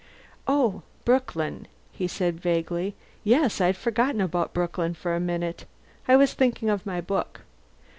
"Oh, Brooklyn?" he said vaguely. "Yes, I'd forgotten about Brooklyn for the minute. I was thinking of my book.